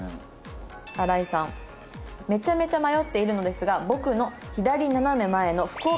荒井さん「めちゃめちゃ迷っているのですが僕の左斜め前の福岡さんがタイプです」。